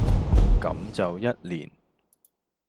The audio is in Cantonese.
咁就一年